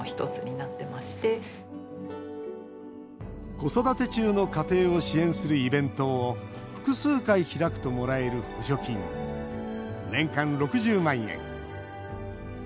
子育て中の家庭を支援するイベントを複数回開くともらえる補助金年間６０万円。